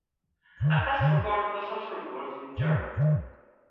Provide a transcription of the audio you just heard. A cast recording was also recorded in German.